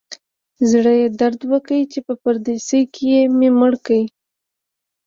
زړه یې درد وکړ چې په پردیسي کې مې مړ کړ.